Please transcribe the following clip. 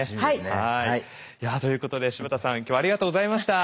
ということで柴田さん今日はありがとうございました。